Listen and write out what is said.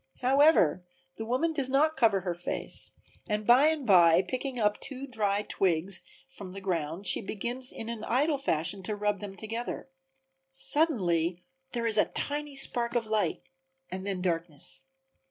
However the woman does not cover her face and by and by, picking up two dry twigs from the ground, she begins in an idle fashion to rub them together. Suddenly there is a tiny spark of light and then darkness.